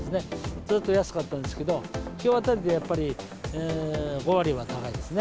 ずっと安かったんですけど、きょうあたりでやっぱり５割は高いですね。